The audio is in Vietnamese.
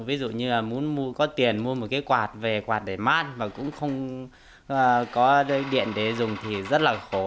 ví dụ như là muốn có tiền mua một cái quạt về quạt để mát và cũng không có điện để dùng thì rất là khổ